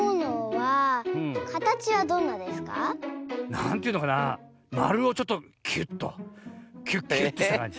なんというのかなまるをちょっとキュッとキュッキュッとしたかんじ。